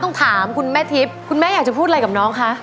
ต้องถามคุณแม่ทิพย์คุณแม่อยากจะพูดอะไรกับน้องคะ